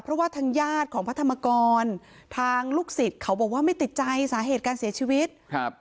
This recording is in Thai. เพราะว่าทางญาติของพระธรรมกรทางลูกศิษย์เขาบอกว่าไม่ติดใจสาเหตุการเสียชีวิตครับ